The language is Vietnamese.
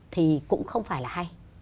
thì cũng không phải là hay